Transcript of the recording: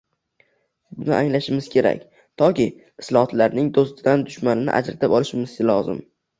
Buni anglashimiz kerak, toki islohotlarning do‘stidan dushmanini ajratib olishimiz lozim.